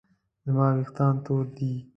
زما ویښتان تور دي